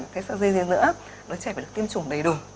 thế sao gì nữa đứa trẻ phải được tiêm chủng đầy đủ